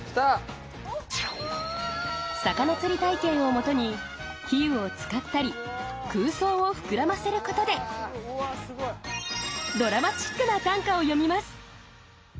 魚釣り体験をもとに比喩を使ったり空想を膨らませることでドラマチックな短歌を詠みます